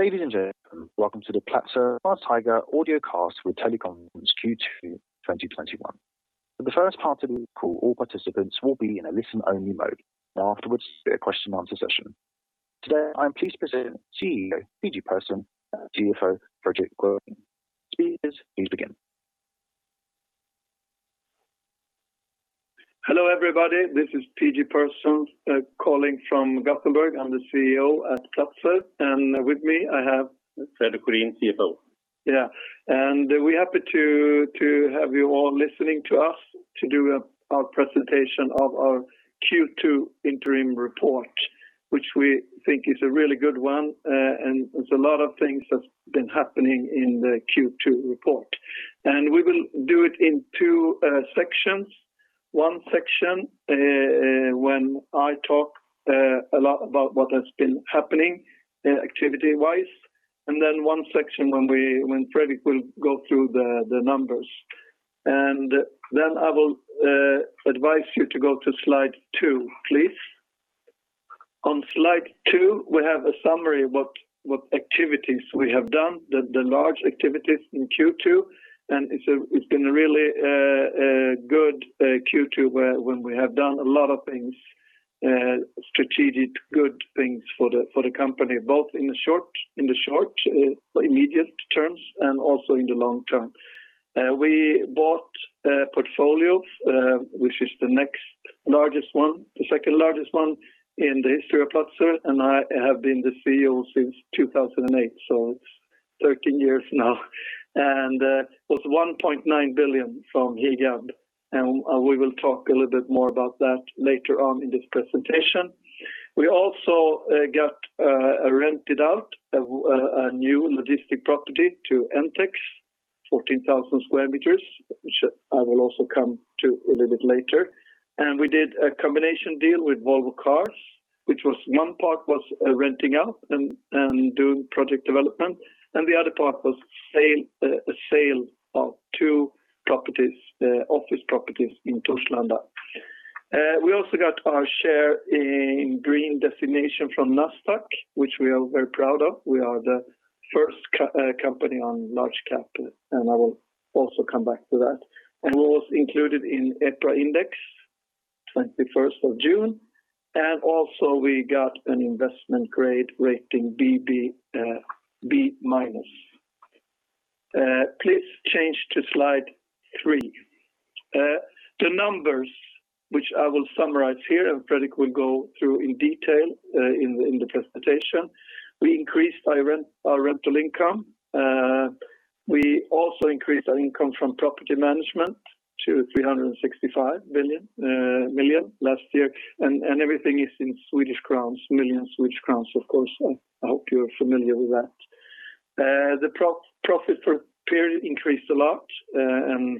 Ladies and gentlemen, welcome to the Platzer Fastigheter audio cast with teleconference Q2 2021. For the first part of the call, all participants will be in a listen-only mode. Afterwards, there will be a question and answer session. Today, I'm pleased to present CEO, P-G Persson, and CFO, Fredrik Sjudin. Please begin. Hello, everybody. This is P-G Persson calling from Gothenburg. I'm the CEO at Platzer, and with me I have- Fredrik Sjudin, CFO. Yeah. We're happy to have you all listening to us to do our presentation of our Q2 interim report, which we think is a really good one, and there's a lot of things that have been happening in the Q2 report. We will do it in two sections. One section when I talk a lot about what has been happening activity-wise, and then one section when Fredrik will go through the numbers. I will advise you to go to slide two, please. On slide two, we have a summary of what activities we have done, the large activities in Q2, and it's been a really good Q2 when we have done a lot of things, strategic good things for the company, both in the short, immediate terms, and also in the long-term. We bought portfolios, which is the next largest one, the second largest one in the history of Platzer, and I have been the CEO since 2008, so it's 13 years now. It was 1.9 billion from Higab, and we will talk a little bit more about that later on in this presentation. We also got rented out a new logistic property to NTEX, 14,000 sq m, which I will also come to a little bit later. We did a combination deal with Volvo Cars, which one part was renting out and doing project development, and the other part was sale of two office properties in Torslanda. We also got our share in green designation from Nasdaq, which we are very proud of. We are the first company on Large Cap, and I will also come back to that. We were also included in EPRA Index, 21st of June, and also we got an investment grade rating BBB-. Please change to slide three. The numbers, which I will summarize here and Fredrik will go through in detail in the presentation. We increased our rental income. We also increased our income from property management to 365 million last year, and everything is in Swedish krona, million Swedish krona, of course. I hope you're familiar with that. The profit for the period increased a lot,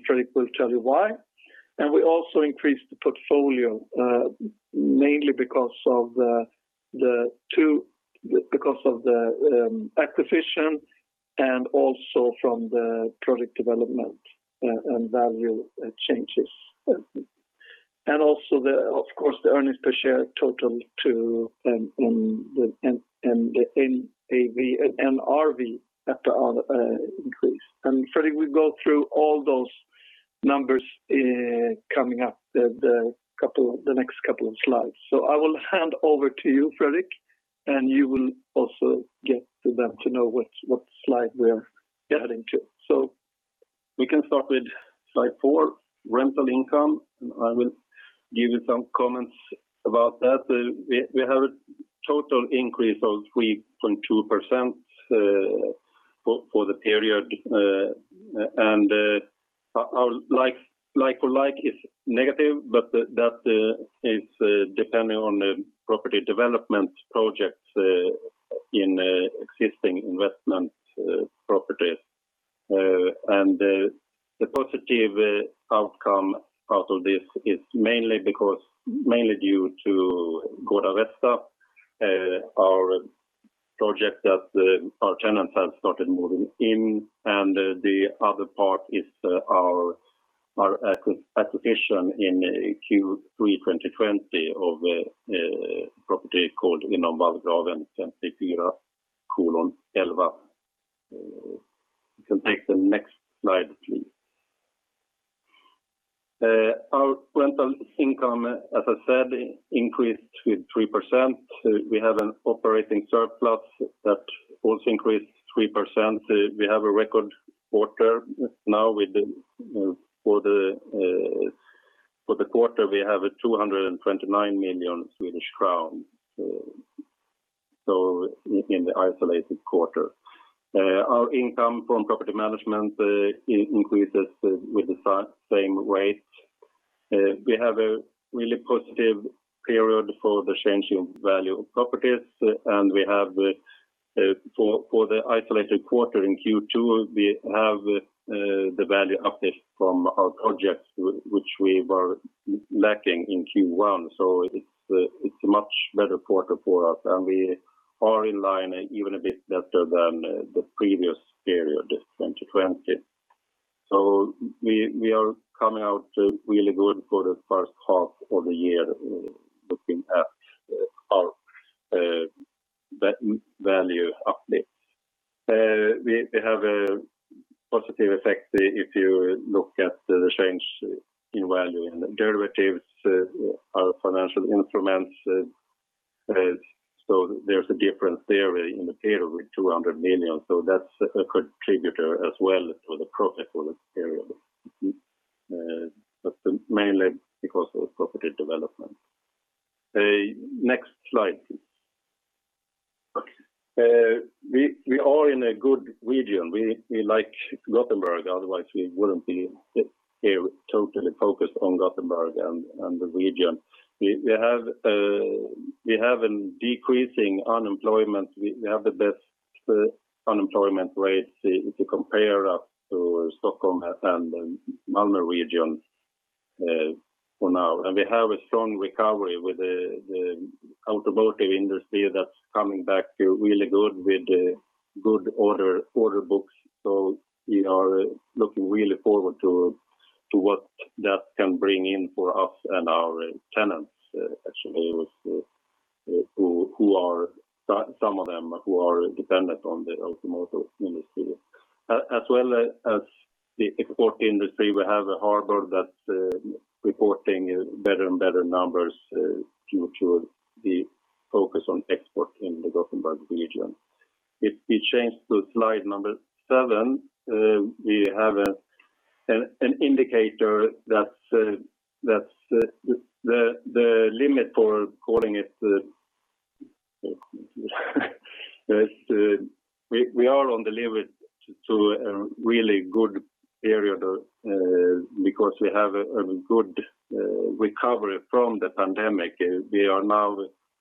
Fredrik will tell you why. We also increased the portfolio, mainly because of the acquisition and also from the product development and value changes. Also, of course, the earnings per share total too, and the NAV and NRV increased. Fredrik will go through all those numbers coming up the next couple of slides. I will hand over to you, Fredrik, and you will also get them to know what slide we're getting to. We can start with slide four, rental income, and I will give you some comments about that. We have a total increase of 3.2% for the period. Like-for-like is negative, but that is depending on the property development projects in existing investment properties. The positive outcome out of this is mainly due to Gårda Vesta, our project that our tenants have started moving in, and the other part is our acquisition in Q3 2020 of a property called Inom Vallgraven 54:11. You can take the next slide, please. Our rental income, as I said, increased with 3%. We have an operating surplus that also increased 3%. We have a record quarter now. For the quarter, we have 229 million Swedish crown, so in the isolated quarter. Our income from property management increases with the same rate. We have a really positive period for the change in value of properties, and for the isolated quarter in Q2, we have the value uplift from our projects, which we were lacking in Q1. It's a much better quarter for us, and we are in line even a bit better than the previous period of 2020. We are coming out really good for the first half of the year, looking at our value uplift. We have a positive effect if you look at the change in value and derivatives, our financial instruments. There's a difference there in the period with 200 million. That's a contributor as well to the profit for the period. Mainly because of profit development. Next slide, please. Okay. We are in a good region. We like Gothenburg, otherwise we wouldn't be here totally focused on Gothenburg and the region. We have a decreasing unemployment. We have the best unemployment rates if you compare us to Stockholm and Malmö region for now. We have a strong recovery with the automotive industry that's coming back really good with good order books. We are looking really forward to what that can bring in for us and our tenants, actually, some of them who are dependent on the automotive industry. As well as the export industry, we have a harbor that's reporting better and better numbers due to the focus on export in the Gothenburg region. If we change to slide seven, we are on the limit to a really good period because we have a good recovery from the pandemic. We are now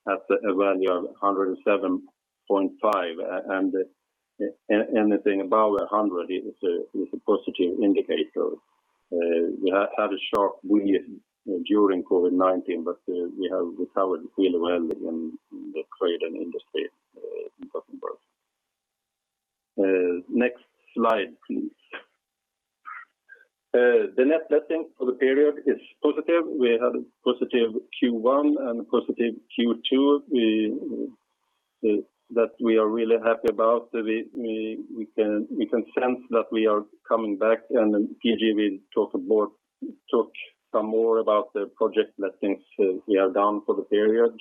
at a value of 107.5, anything above 100 is a positive indicator. We had a sharp during COVID-19, we have recovered really well in the trade and industry in Gothenburg. Next slide, please. The net letting for the period is positive. We had a positive Q1 and a positive Q2 that we are really happy about. We can sense that we are coming back, and then P-G will talk some more about the project lettings we are down for the period.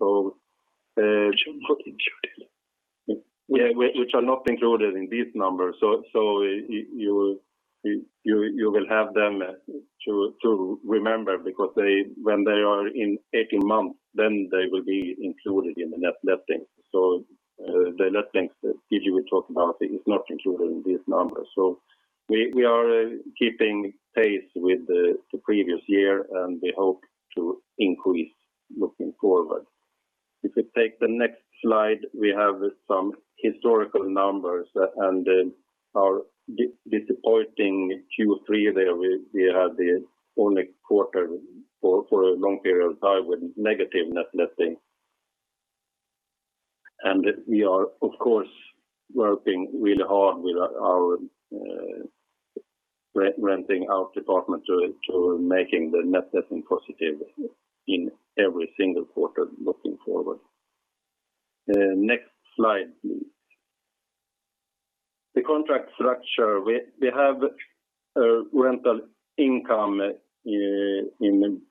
Which are not included. Which are not included in these numbers. You will have them to remember because when they are in 18 months, they will be included in the net letting. The lettings that P-G will talk about is not included in these numbers. We are keeping pace with the previous year, and we hope to increase looking forward. If we take the next slide, we have some historical numbers and our disappointing Q3 there. We had the only quarter for a long period of time with negative net letting. We are of course, working really hard with our renting out department to making the net letting positive in every single quarter looking forward. Next slide, please. The contract structure. We have rental income in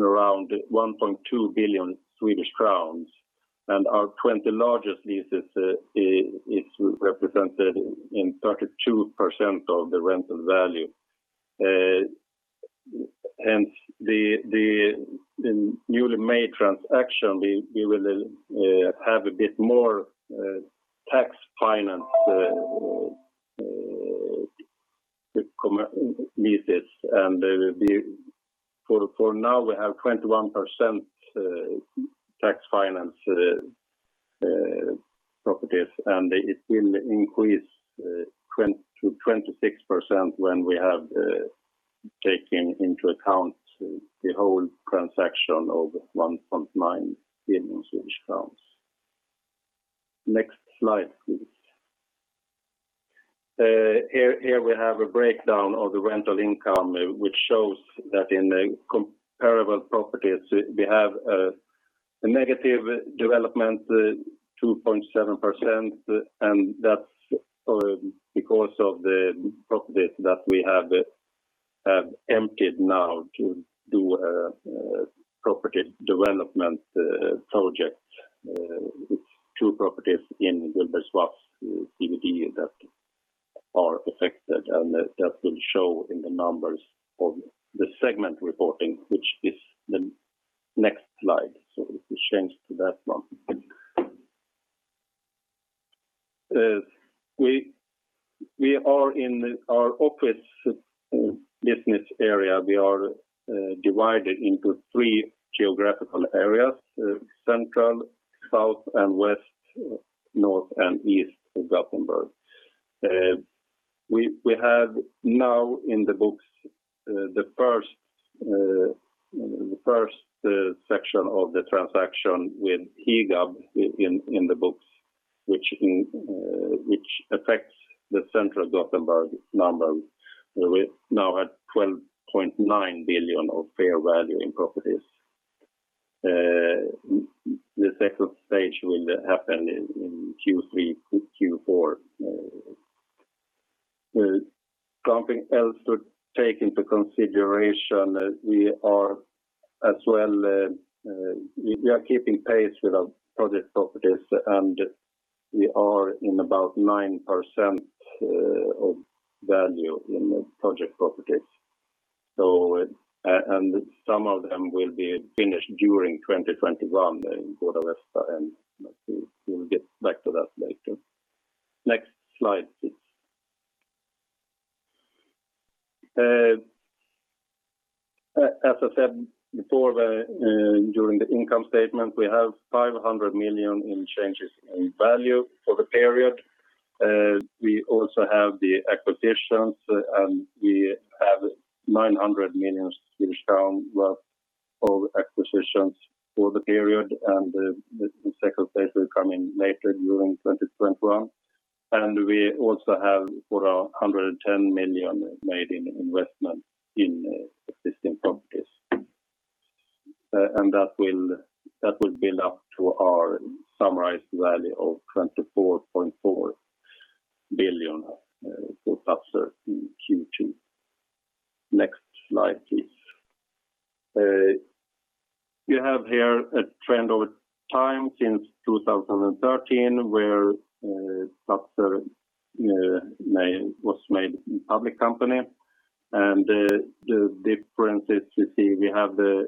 around 1.2 billion Swedish crowns, and our 20 largest leases is represented in 32% of the rental value. Hence, the newly made transaction, we will have a bit more tax finance leases, and for now, we have 21% tax finance properties, and it will increase to 26% when we have taken into account the whole transaction of 1.9 billion Swedish crowns. Next slide, please. Here we have a breakdown of the rental income, which shows that in the comparable properties, we have a negative development, 2.7%, and that's because of the properties that we have emptied now to do a property development project. It's 2 properties in Gullbergsvass CBD that are affected, and that will show in the numbers of the segment reporting, which is the next slide. If we change to that one. We are in our office business area. We are divided into 3 geographical areas. Central, south and west, north and east of Gothenburg. We have now in the books. The first section of the transaction with Higab in the books, which affects the central Gothenburg numbers. We now have 12.9 billion of fair value in properties. The second stage will happen in Q3, Q4. Something else to take into consideration, we are keeping pace with our project properties, and we are in about 9% of value in project properties. Some of them will be finished during 2021 in Gårda Vesta, and we will get back to that later. Next slide, please. As I said before, during the income statement, we have 500 million in changes in value for the period. We also have the acquisitions, and we have 900 million Swedish crown worth of acquisitions for the period, and the second phase will come in later during 2021. We also have put 110 million made in investment in existing properties. That will build up to our summarized value of 24.4 billion for Platzer in Q2. Next slide, please. You have here a trend over time since 2013, where Platzer was made a public company. The difference is you see we have the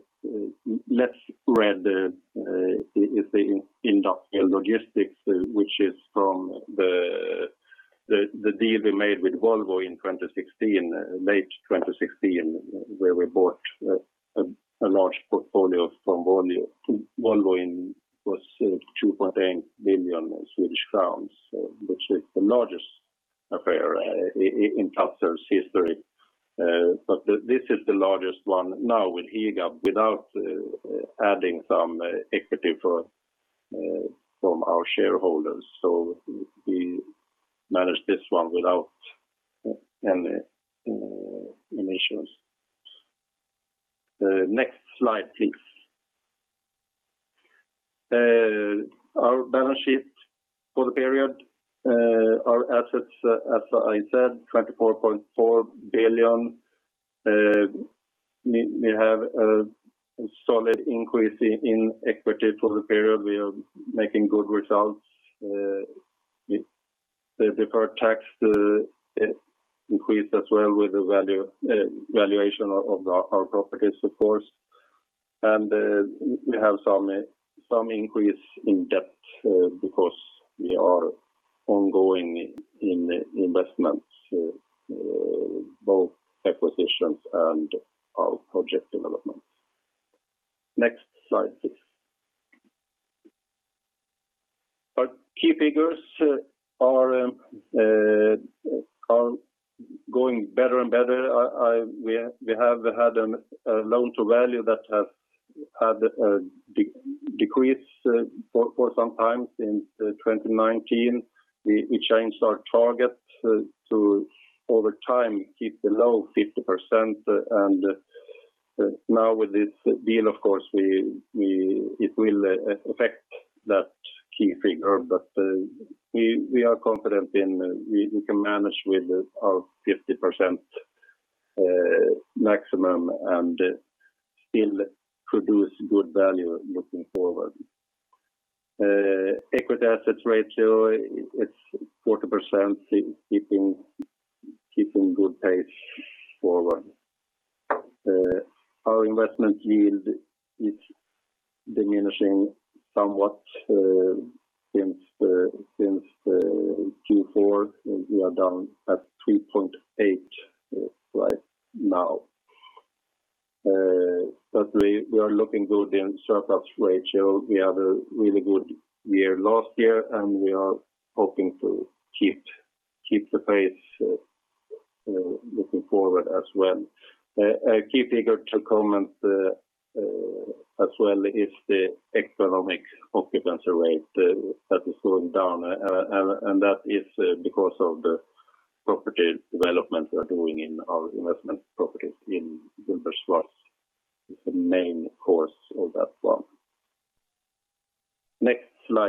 less red is the industrial logistics, which is from the deal we made with Volvo in late 2016, where we bought a large portfolio from Volvo. Volvo was SEK 2.8 billion, which is the largest ever in Platzer's history. This is the largest one now with Higab, without adding some equity from our shareholders. We managed this one without any emissions. Next slide, please. Our balance sheet for the period, our assets, as I said, SEK 24.4 billion. We have a solid increase in equity for the period. We are making good results. The deferred tax increased as well with the valuation of our properties, of course. We have some increase in debt because we are ongoing in investments, both acquisitions and our project developments. Next slide, please. Our key figures are going better and better. We have had a loan-to-value that has had a decrease for some time since 2019. We changed our target to, over time, keep below 50%. Now with this deal, of course, it will affect that key figure. We are confident we can manage with our 50% maximum and still produce good value looking forward. Equity assets ratio is 40%, keeping good pace forward. Our investment yield is diminishing somewhat since Q4, and we are down at 3.8% right now. We are looking good in surplus ratio. We had a really good year last year, and we are hoping to keep the pace looking forward as well. A key figure to comment as well is the economic occupancy rate that is going down, and that is because of the property development we are doing in our investment properties in Lindholmen.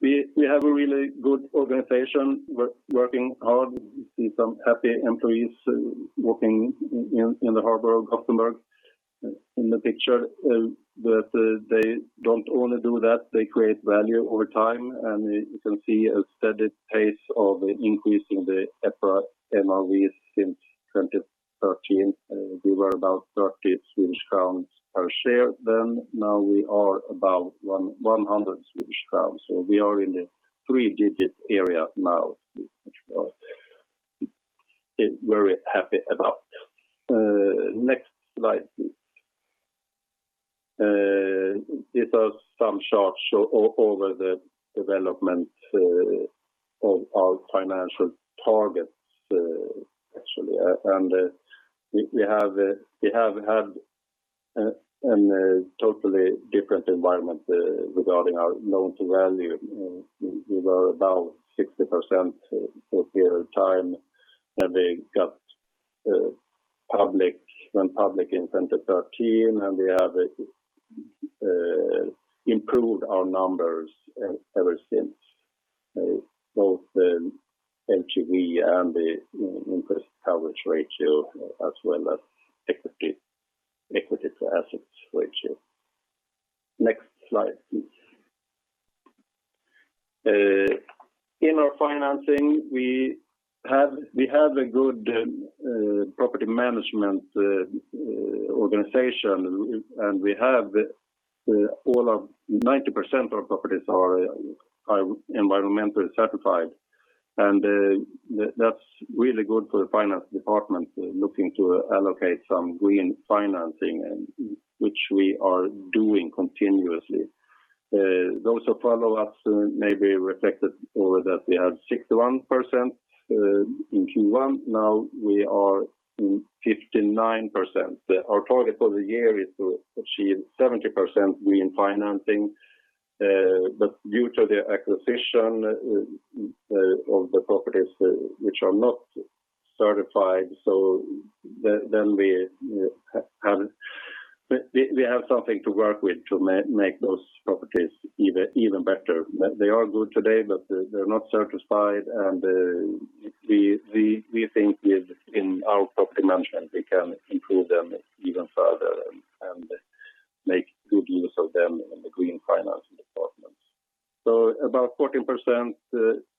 It's the main cause of that one. Next slide, please. We have a really good organization. We're working hard. You see some happy employees working in the harbor of Gothenburg in the picture. They don't only do that, they create value over time. You can see a steady pace of increase in the EPRA NAV since 2013. We were about 30 Swedish crowns per share then. Now we are about 100 Swedish crowns. We are in a three-digit area now, which we are very happy about. Next slide, please. It has some charts over the development of our financial targets, actually. We have had a totally different environment regarding our loan-to-value. We were about 60% for a period of time when we went public in 2013, we have improved our numbers ever since, both the LTV and the interest coverage ratio, as well as equity to assets ratio. Next slide, please. In our financing, we have a good property management organization, 90% of our properties are environmentally certified. That's really good for the finance department looking to allocate some green financing, which we are doing continuously. Those are follow-ups maybe reflected over that we had 61% in Q1. Now we are 59%. Our target for the year is to achieve 70% green financing. Due to the acquisition of the properties which are not certified, we have something to work with to make those properties even better. They are good today, but they're not certified, and we think in our property management, we can improve them even further and make good use of them in the green finance departments. About 14%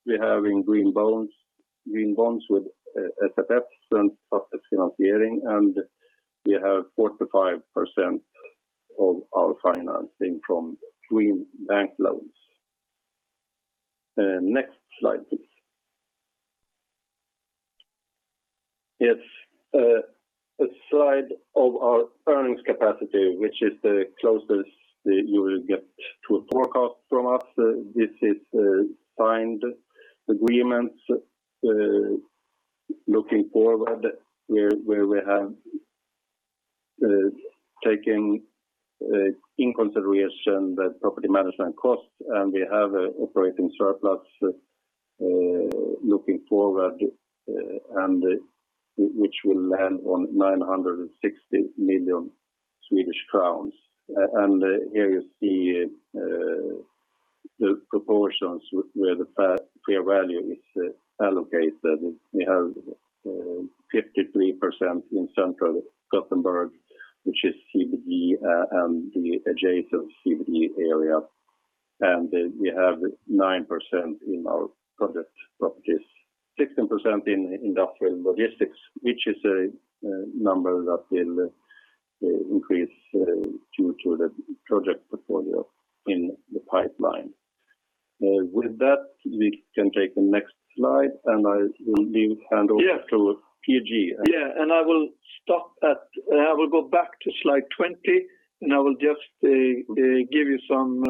we have in green bonds with SFF, Svensk FastighetsFinansiering, and we have 45% of our financing from green bank loans. Next slide, please. Yes. A slide of our earnings capacity, which is the closest you will get to a forecast from us. This is signed agreements looking forward where we have taken in consideration the property management costs, and we have an operating surplus looking forward, which will land on 960 million Swedish crowns. Here you see the proportions where the fair value is allocated. We have 53% in central Gothenburg, which is CBD and the adjacent CBD area, and we have 9% in our project properties, 16% in industrial logistics, which is a number that will increase due to the project portfolio in the pipeline. With that, we can take the next slide and I will hand over to P-G. Yes. I will go back to slide 20, and I will just give you some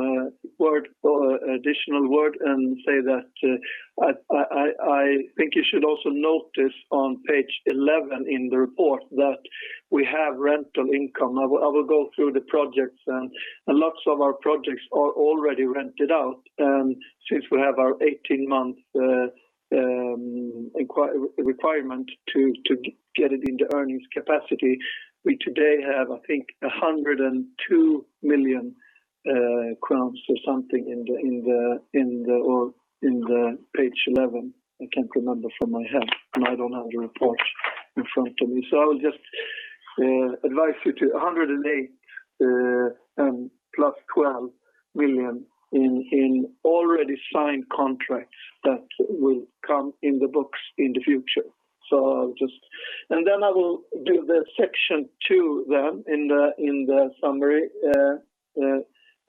additional word and say that I think you should also notice on page 11 in the report that we have rental income. I will go through the projects then. Lots of our projects are already rented out since we have our 18-month requirement to get it into earnings capacity. We today have, I think, 102 million crowns or something in the page 11. I can't remember from my head, I don't have the report in front of me. I'll just advise you to 108 million plus 12 million in already signed contracts that will come in the books in the future. I will do the section two in the summary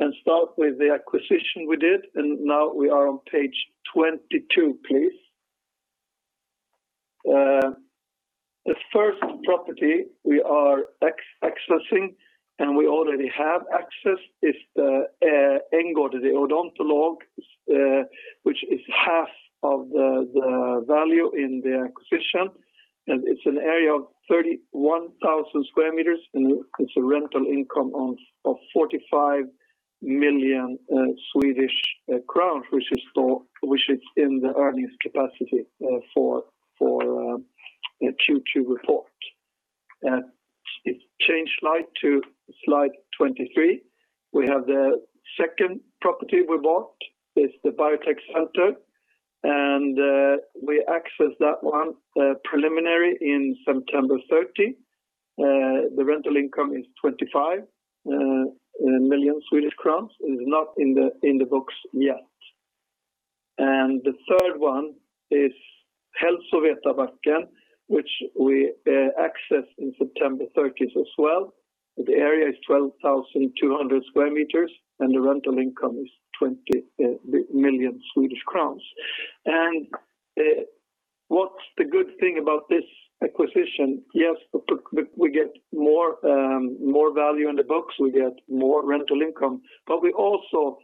and start with the acquisition we did. Now we are on page 22, please. The first property we are accessing, and we already have access, is the Änggården, the Odontologen, which is half of the value in the acquisition, and it's an area of 31,000 sq m, and it's a rental income of 45 million Swedish crowns, which is in the earnings capacity for Q2 report. If you change slide to slide 23. We have the second property we bought. It's the Biotech Center, and we accessed that one preliminary on September 30. The rental income is 25 million Swedish crowns. It is not in the books yet. The third one is Hälsovetarbacken, which we accessed on September 30th as well. The area is 12,200 sq m, the rental income is 20 million Swedish crowns. What's the good thing about this acquisition? We get more value on the books, we get more rental income, we also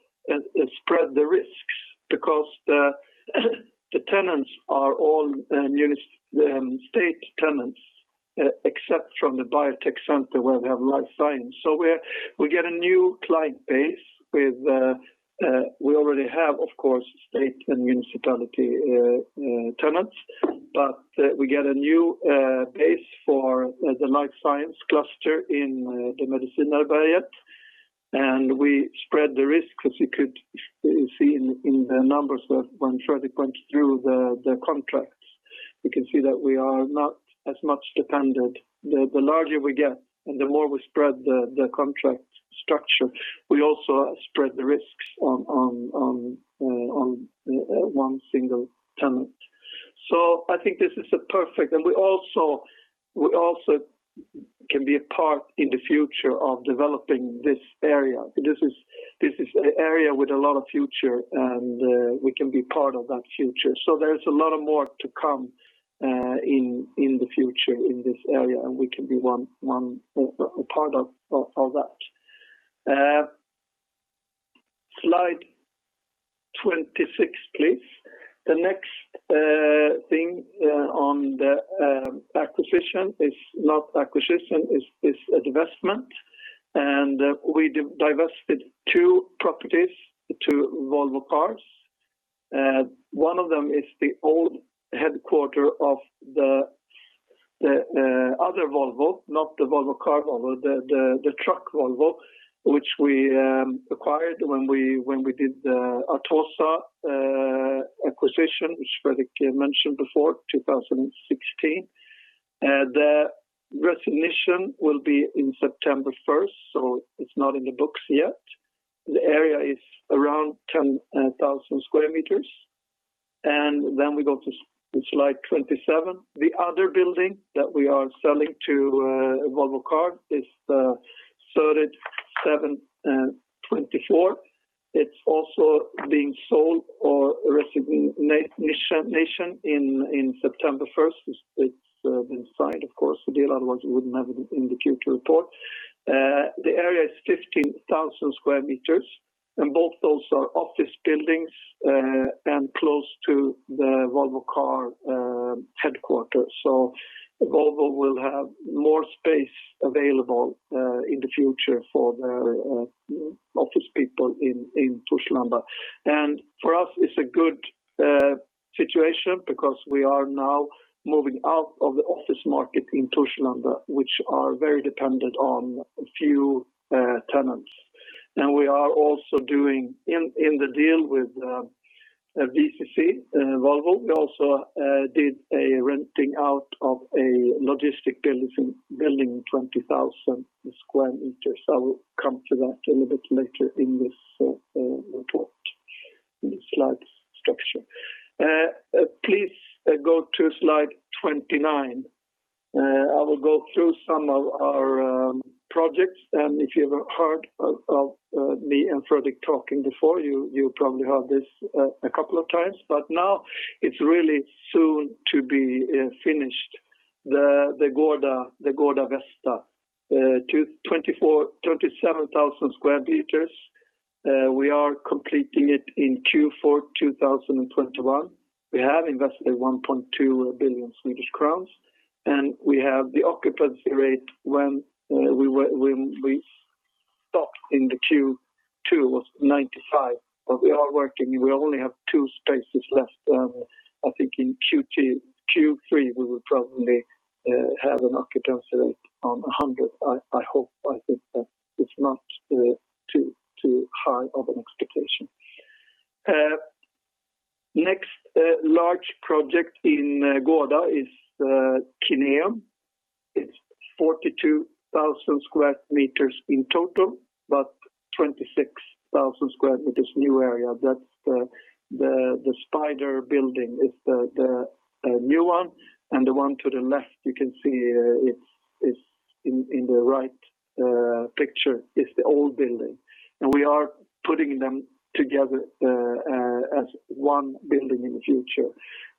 spread the risks because the tenants are all state tenants, except from the Biotech Center where we have life science. We get a new client base. We already have, of course, state and municipality tenants, we get a new base for the life science cluster in Medicinareberget, we spread the risk because you see in the numbers when Fredrik went through the contracts, you can see that we are not as much dependent. The larger we get and the more we spread the contract structure, we also spread the risks on one single tenant. I think this is perfect. We also can be a part in the future of developing this area. This is an area with a lot of future, and we can be part of that future. There's a lot more to come in the future in this area, and we can be one part of all that. Slide 26, please. The next thing on the acquisition is not acquisition, it's a divestment. We divested two properties to Volvo Cars. One of them is the old headquarter of the other Volvo, not the Volvo Car Volvo, the truck Volvo, which we acquired when we did the Artosa acquisition, which Fredrik mentioned before, 2016. The resignation will be in September 1st, so it's not in the books yet. The area is around 10,000 sq m. We go to slide 27. The other building that we are selling to Volvo Car is Sörred 7:24. It's also being sold or resignation in September 1st. It's been signed, of course, the deal, otherwise it wouldn't have been in the future report. The area is 15,000 sq m, and both those are office buildings and close to the Volvo Cars headquarters. Volvo will have more space available in the future for their office people in Torslanda. For us, it's a good situation because we are now moving out of the office market in Torslanda, which are very dependent on a few tenants. We are also doing in the deal with VCC, Volvo, we also did a renting out of a logistics building, 20,000 sq m. I will come to that a little bit later in this report, in the slide structure. Please go to slide 29. I will go through some of our projects, and if you've heard of me and Fredrik talking before, you probably heard this a couple of times, but now it's really soon to be finished. The Gårda Vesta, 37,000 sq m. We are completing it in Q4 2021. We have invested 1.2 billion Swedish crowns, and we have the occupancy rate when we stopped in the Q2 was 95%. We are working, we only have two spaces left. I think in Q3, we will probably have an occupancy rate of 100%. I hope. I think that it's not too high of an expectation. Next large project in Gårda is Kineum. It's 42,000 sq m in total, but 26,000 sq m new area. That's the spider building is the new one, and the one to the left you can see it in the right picture is the old building. We are putting them together as one building in the future.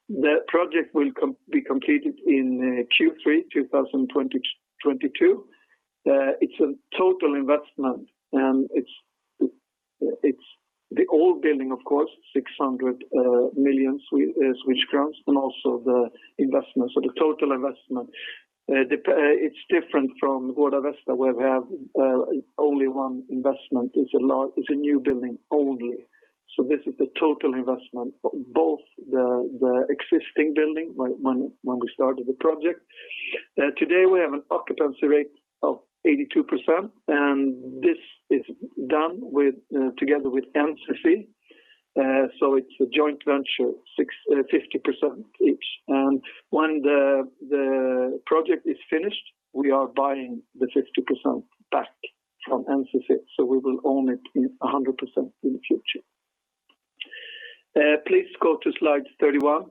The project will be completed in Q3 2022. It's a total investment, and it's the old building, of course, 600 million, and also the investment. The total investment, it's different from Gårda Vesta where we have only one investment. It's a new building only. This is the total investment for both the existing building when we started the project. Today, we have an occupancy rate of 82%, and this is done together with NCC. It's a joint venture, 50% each. When the project is finished, we are buying the 50% back from NCC, so we will own it 100% in the future. Please go to slide 31.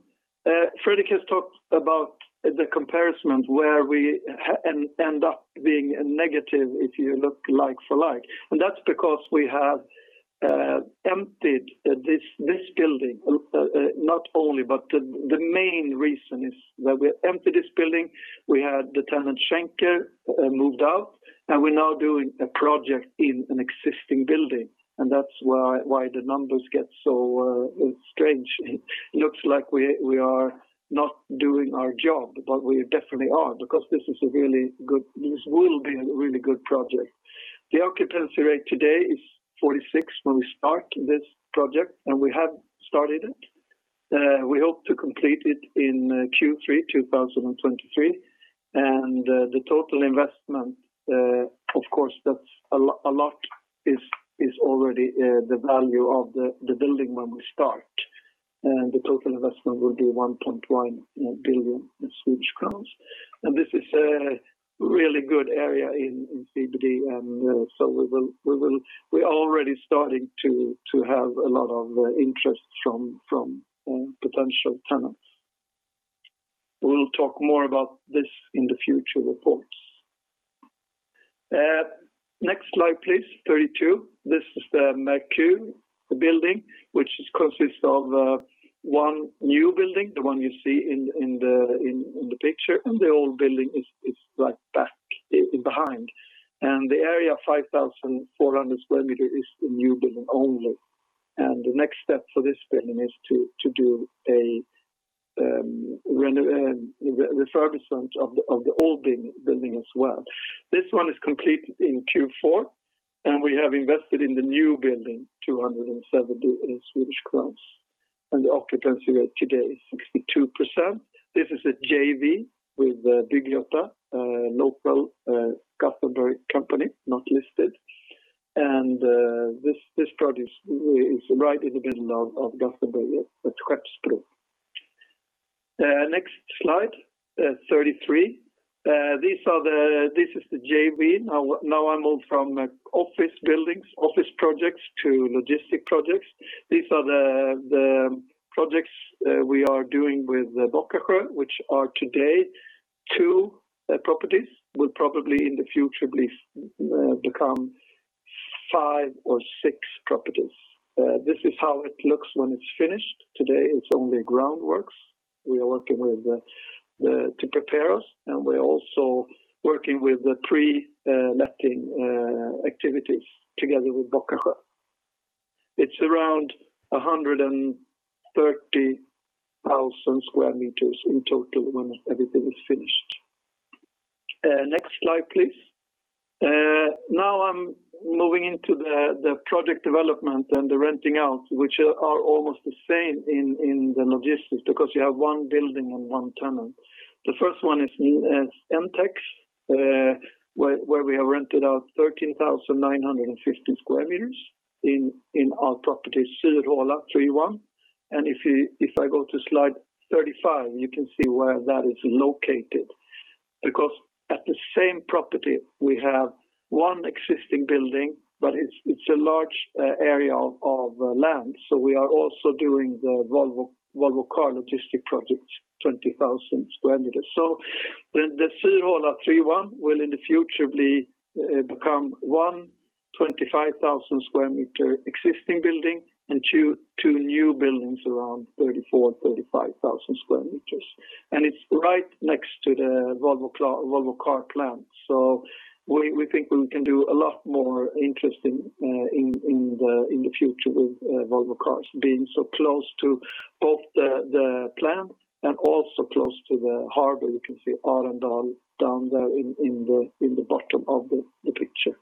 Fredrik has talked about the comparison where we end up being negative if you look like-for-like. That's because we have emptied this building. Not only, but the main reason is that we emptied this building. We had the tenant Schenker moved out, and we're now doing a project in an existing building, and that's why the numbers get so strange. It looks like we are not doing our job, but we definitely are because this will be a really good project. The occupancy rate today is 46% when we start this project, and we have started it. We hope to complete it in Q3 2023. The total investment, of course, that's a lot is already the value of the building when we start, and the total investment will be 1.1 billion Swedish crowns. This is a really good area in CBD, and so we're already starting to have a lot of interest from potential tenants. We will talk more about this in the future reports. Next slide, please, 32. This is the Merkur, the building, which consists of one new building, the one you see in the picture. The old building is back behind. The area 5,400 sq m is the new building only. The next step for this building is to do a refurbishment of the old building as well. This one is completed in Q4. We have invested in the new building 270 Swedish crowns. The occupancy rate today is 62%. This is a JV with Bygg-Göta, local Gothenburg company, not listed. This project is right in the middle of Gothenburg, at [Kvillebäcken]. Next slide, 33. This is the JV. Now I move from office buildings, office projects to logistic projects. These are the projects we are doing with Bockasjö, which are today two properties. Will probably in the future become five or six properties. This is how it looks when it's finished. Today, it's only groundworks. We are working to prepare us, and we're also working with the pre-letting activities together with Bockasjö. It's around 130,000 sq m in total when everything is finished. Next slide, please. Now I'm moving into the project development and the renting out, which are almost the same in the logistics because you have one building and one tenant. The first one is NTEX, where we have rented out 13,950 sq m in our property Syrhåla 3:1. If I go to slide 35, you can see where that is located. At the same property, we have one existing building, but it's a large area of land. We are also doing the Volvo Cars logistic project, 20,000 sq m. The Syrhåla 3:1 will in the future become 1 25,000 sq m existing building and two new buildings around 34,000-35,000 sq m. It's right next to the Volvo Cars plant. We think we can do a lot more interesting in the future with Volvo Cars being so close to both the plant and also close to the harbor. You can see Arendal down there in the bottom of the picture.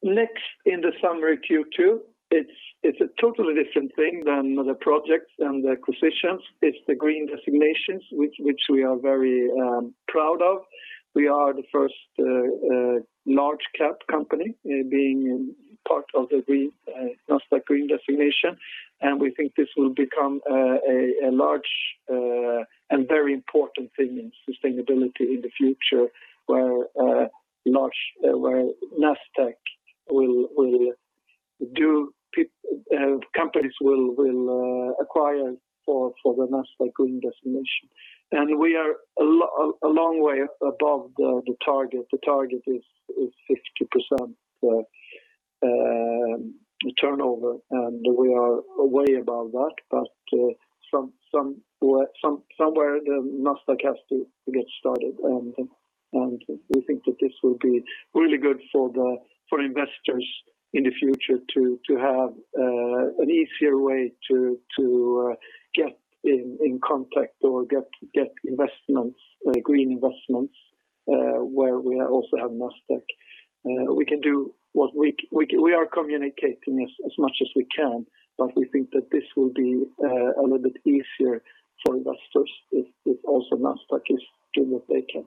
In the summary Q2, it's a totally different thing than the projects and the acquisitions. It's the green designations, which we are very proud of. We are the first Large Cap company being part of the Nasdaq Green Equity Designation, we think this will become a large and very important thing in sustainability in the future where Nasdaq companies will acquire for the Nasdaq Green Equity Designation. We are a long way above the target. The target is 50% turnover. We are a way above that, somewhere Nasdaq has to get started. We think that this will be really good for investors in the future to have an easier way to get in contact or get green investments where we also have Nasdaq. We are communicating as much as we can. We think that this will be a little bit easier for investors if also Nasdaq is doing what they can.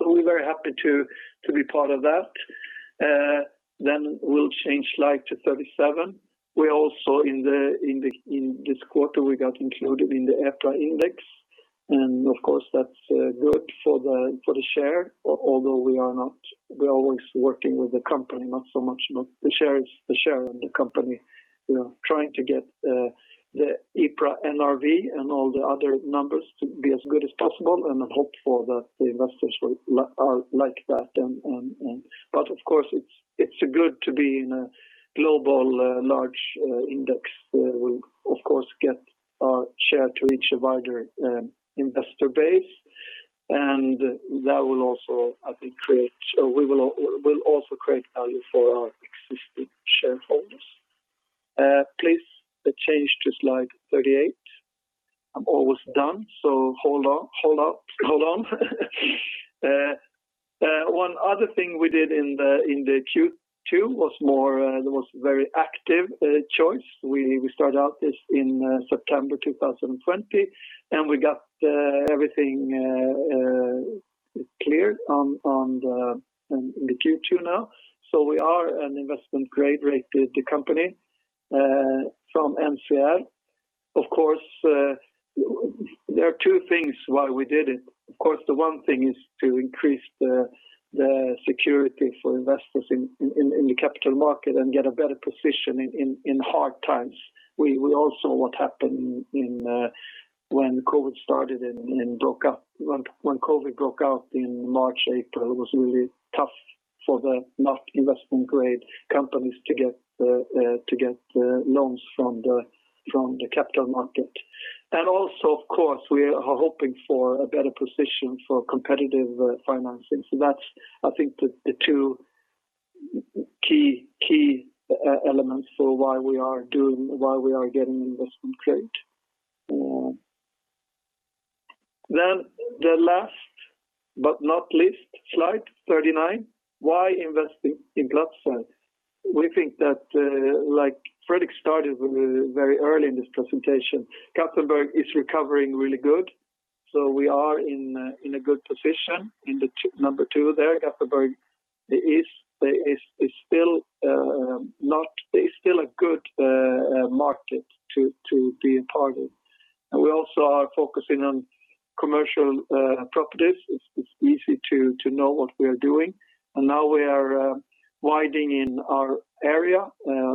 We're very happy to be part of that. We'll change slide to 37. We also in this quarter, we got included in the EPRA Index. Of course, that's good for the share, although we are always working with the company, not so much the share. It's the share of the company. We are trying to get the EPRA NRV and all the other numbers to be as good as possible, and I'm hopeful that the investors will like that. Of course, it's good to be in a global large index. We of course get our share to reach a wider investor base, and that will also, I think, create value for our existing shareholders. Please change to slide 38. I'm almost done, hold on. One other thing we did in Q2 was a very active choice. We started out this in September 2020, and we got everything cleared in Q2 now. We are an investment-grade rated company from NCR. Of course, there are two things why we did it. Of course, the one thing is to increase the security for investors in the capital market and get a better position in hard times. We all saw what happened when COVID started and broke out. When COVID broke out in March, April, it was really tough for the not investment-grade companies to get loans from the capital market. Also, of course, we are hoping for a better position for competitive financing. That's, I think, the two key elements for why we are getting investment grade. The last but not least, slide 39. Why invest in Platzer? We think that, like Fredrik started very early in this presentation, Gothenburg is recovering really good. We are in a good position in the number two there. Gothenburg is still a good market to be a part of. We also are focusing on commercial properties. It's easy to know what we are doing. Now we are widening our area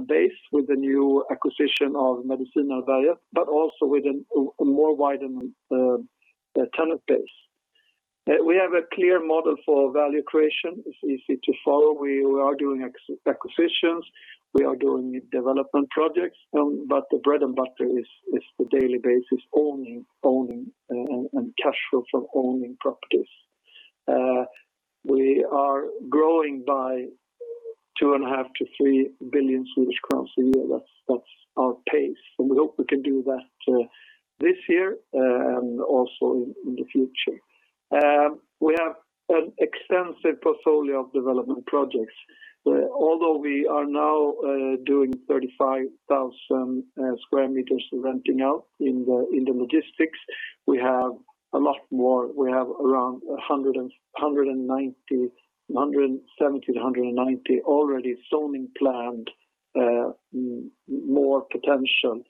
base with the new acquisition of Medicinareberget, but also with a more widened tenant base. We have a clear model for value creation. It's easy to follow. We are doing acquisitions, we are doing development projects, but the bread and butter is the daily basis, owning and cash flow from owning properties. We are growing by 2.5 billion-3 billion Swedish crowns a year. That's our pace, and we hope we can do that this year and also in the future. We have an extensive portfolio of development projects. Although we are now doing 35,000 sq m of renting out in the logistics, we have a lot more. We have around 17,000 to 19,000 already zoning-planned, more potential.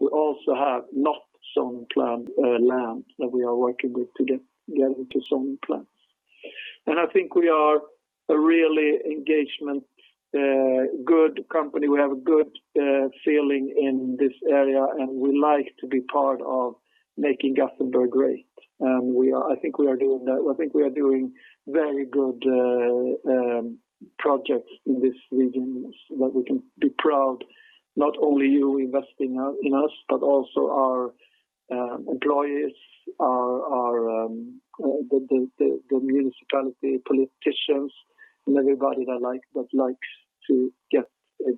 We also have not zone-planned land that we are working with to get into zoning plans. I think we are a really engagement good company. We have a good feeling in this area, and we like to be part of making Gothenburg great. I think we are doing very good projects in this region so that we can be proud, not only you investing in us, but also our employees, the municipality politicians, and everybody that likes to get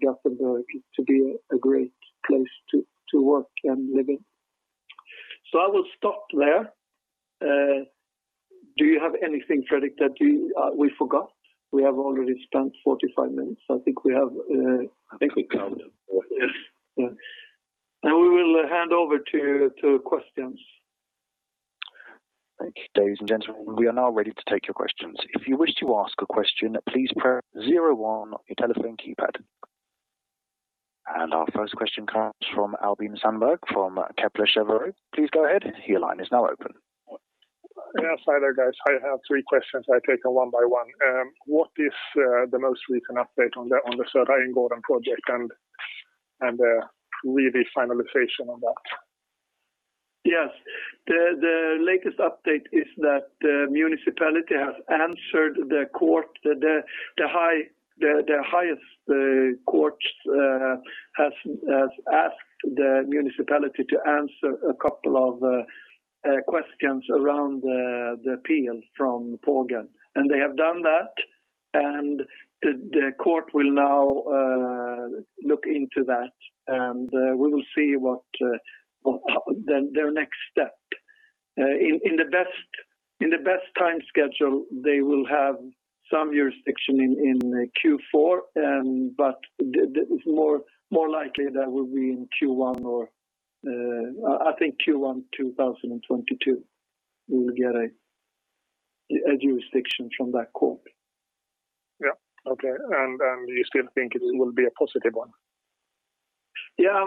Gothenburg to be a great place to work and live in. I will stop there. Do you have anything, Fredrik, that we forgot? We have already spent 45 minutes. I think we covered it. We will hand over to questions. Thank you. Ladies and gentlemen, we are now ready to take your questions. If you wish to ask a question, please press zero on your telephone keypad. Our first question comes from Albin Sandberg from Kepler Cheuvreux. Please go ahead. Hi there, guys. I have three questions. I take them one by one. What is the most recent update on the Södra Änggården project and the re-deal finalization on that? Yes. The latest update is that the municipality has answered the court. The highest court has asked the municipality to answer a couple of questions around the appeal from Pågen. They have done that, and the court will now look into that, and we will see their next step. In the best time schedule, they will have some jurisdiction in Q4, but more likely that will be in Q1 or I think Q1 2022 we will get a jurisdiction from that court. Yeah. Okay. You still think it will be a positive one? Yeah.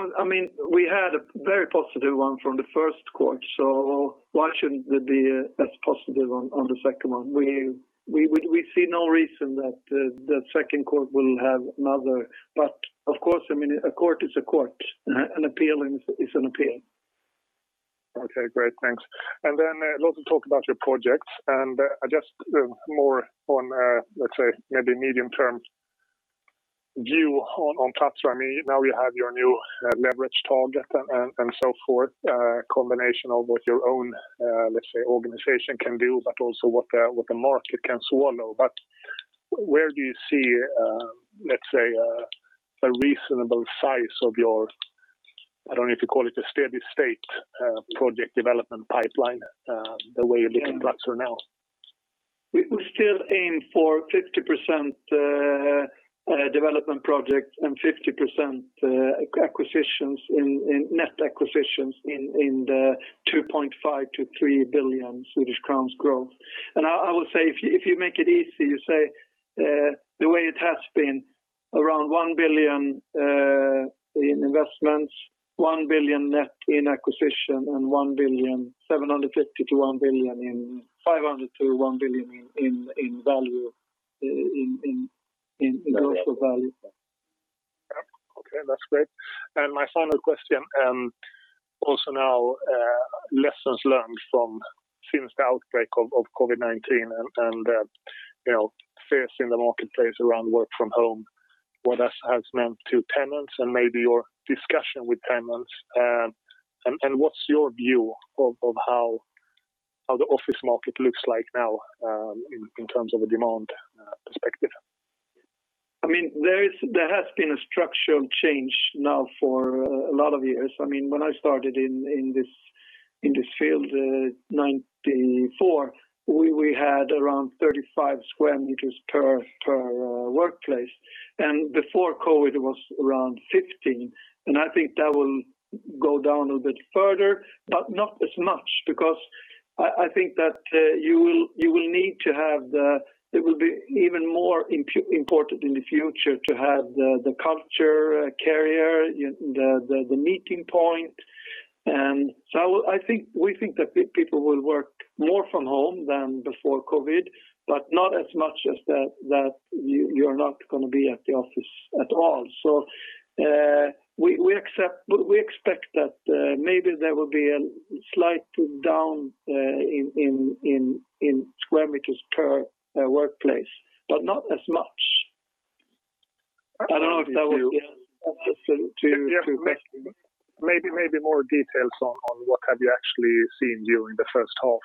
We had a very positive one from the first court, so why shouldn't it be as positive on the second one? We see no reason that the second court will have another, but of course, a court is a court. An appeal is an appeal. Okay, great. Thanks. Let's talk about your projects and just more on, let's say, maybe medium term view on Platzer. Now you have your new leverage target and so forth, combination of what your own, let's say, organization can do, but also what the market can swallow. Where do you see, let's say, a reasonable size of your, I don't know if you call it a steady state project development pipeline, the way you're looking at Platzer now? We still aim for 50% development projects and 50% net acquisitions in the 2.5 billion-3 billion Swedish crowns growth. I will say, if you make it easy, you say the way it has been around 1 billion in investments, 1 billion net in acquisition, and 500 million to 1 billion in gross value. Okay, that's great. My final question, also now lessons learned from since the outbreak of COVID-19 and fears in the marketplace around work from home, what else has meant to tenants and maybe your discussion with tenants. What's your view of how the office market looks like now in terms of a demand perspective? There has been a structural change now for a lot of years. When I started in this field, 1994, we had around 35 sq m per workplace, and before COVID was around 15. I think that will go down a bit further, but not as much because I think that it will be even more important in the future to have the culture carrier, the meeting point. We think that people will work more from home than before COVID, but not as much as that you're not going to be at the office at all. We expect that maybe there will be a slight down in sq m per workplace, but not as much. I don't know if that was the answer to. Yeah. Maybe more details on what have you actually seen during the first half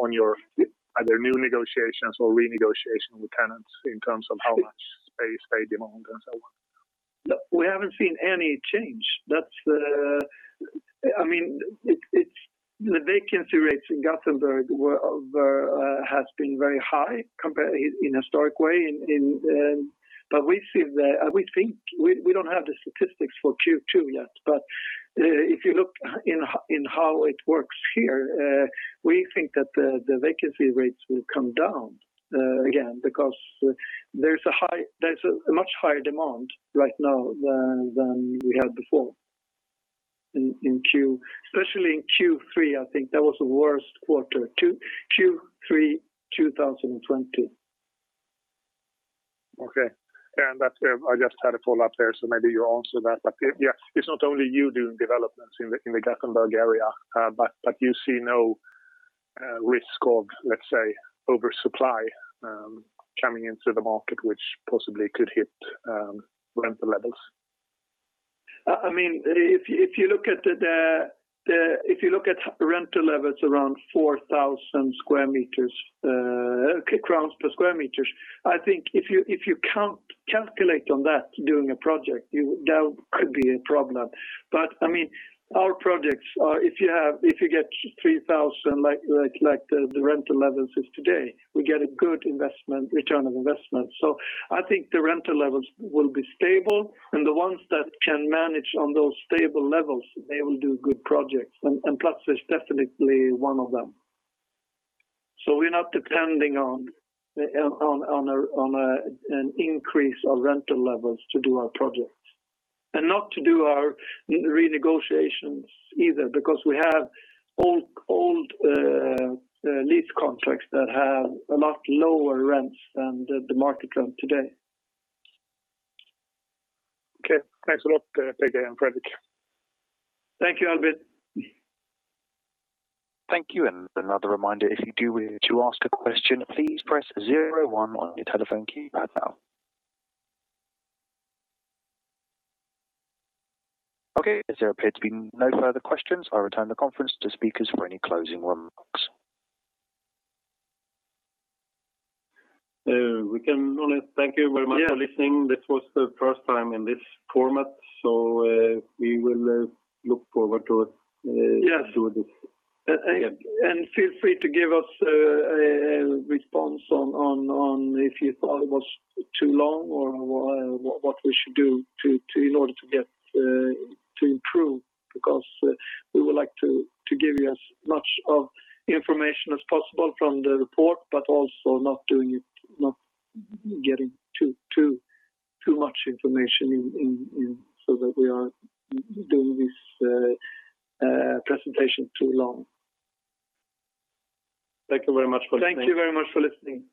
on your either new negotiations or renegotiation with tenants in terms of how much space they demand and so on. We haven't seen any change. The vacancy rates in Gothenburg has been very high compared in a historic way, we don't have the statistics for Q2 yet, but if you look in how it works here, we think that the vacancy rates will come down again because there's a much higher demand right now than we had before especially in Q3, I think that was the worst quarter, Q3 2020. Okay. I just had a follow-up there, so maybe you answer that. Yeah, it's not only you doing developments in the Gothenburg area, but you see no risk of, let's say, oversupply coming into the market, which possibly could hit rental levels? If you look at rental levels around 4,000 per sq m, I think if you calculate on that doing a project, that could be a problem. Our projects, if you get 3,000, like the rental levels is today, we get a good return of investment. I think the rental levels will be stable, and the ones that can manage on those stable levels, they will do good projects and Platzer is definitely one of them. We're not depending on an increase of rental levels to do our projects, and not to do our renegotiations either because we have old lease contracts that have a lot lower rents than the market rent today. Okay, thanks a lot, P-G and Fredrik. Thank you, Albin. Okay, as there appear to be no further questions, I return the conference to speakers for any closing remarks. We can only thank you very much for listening. This was the first time in this format. Yes. We will do this again. Feel free to give us a response on if you thought it was too long or what we should do in order to improve because we would like to give you as much of information as possible from the report, but also not getting too much information in so that we aren't doing this presentation too long. Thank you very much for listening. Thank you very much for listening.